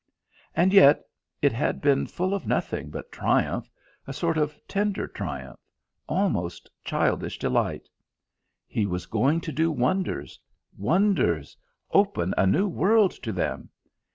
And yet it had been full of nothing but triumph, a sort of tender triumph, almost childish delight. He was going to do wonders wonders! open a new world to them!